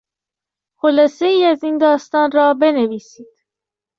خلاصهای از این داستان را بنویسید.